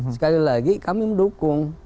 sekali lagi kami mendukung